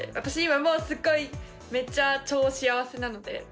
今もうすっごいめっちゃ超幸せなので。